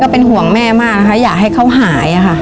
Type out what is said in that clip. เป็นห่วงแม่มากนะคะอยากให้เขาหายค่ะ